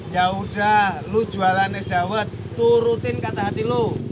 ya udah lu jualan es dawet turutin kata hati lo